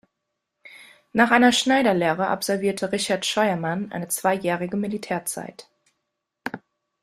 Nach einer Schneiderlehre absolvierte Richard Scheuermann eine zweijährige Militärzeit.